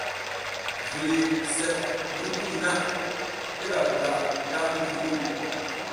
Viliy sef ngi kunu na, ira vula da midigwu ɗu.